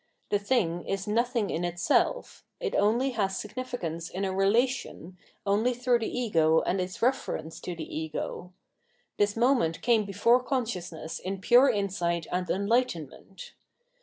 The thing is nothing in itself ; it only has significance in a relation, only through the ego and its reference to the ego. This moment came before consciousness in pure insight and enlightenment.